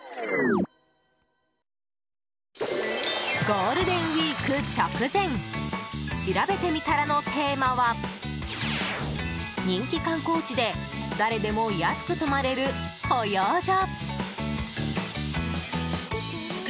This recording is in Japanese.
ゴールデンウィーク直前しらべてみたらのテーマは人気観光地で誰でも安く泊まれる保養所。